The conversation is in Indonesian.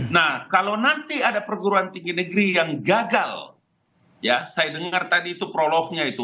nah kalau nanti ada perguruan tinggi negeri yang gagal ya saya dengar tadi itu prolognya itu